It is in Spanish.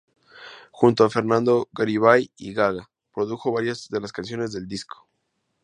Junto a Fernando Garibay y Gaga, produjo varias de las canciones del disco.